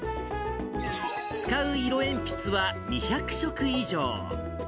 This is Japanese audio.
使う色鉛筆は２００色以上。